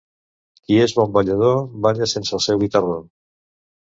Qui és bon ballador, balla sense el seu guitarró.